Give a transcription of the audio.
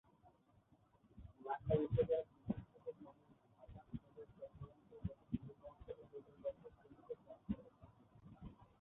লাখাই উপজেলার বিপুল সংখ্যক মানুষ ঢাকা, সিলেট, চট্টগ্রাম সহ দেশের বিভিন্ন অঞ্চলে হোটেল ব্যবসা ও শ্রমিকের কাজ করেন।